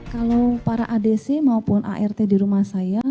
kalau para adc maupun art di rumah saya